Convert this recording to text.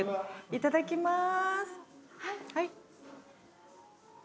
いただきます。